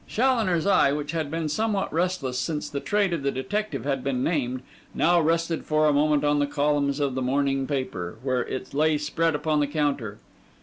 Challoner's eye, which had been somewhat restless since the trade of the detective had been named, now rested for a moment on the columns of the morning paper, where it lay spread upon the counter.